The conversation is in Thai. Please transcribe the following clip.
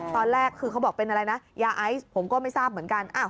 ตอนแรกคือเขาบอกเป็นอะไรนะยาไอซ์ผมก็ไม่ทราบเหมือนกัน